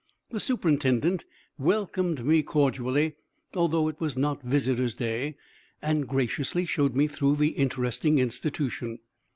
The superintendent welcomed me cordially, although it was not visitors' day, and graciously showed me through the interesting institution.